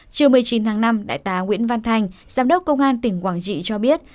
chiều một mươi chín tháng năm đại tá nguyễn văn thành giám đốc công an tỉnh quảng trị cho biết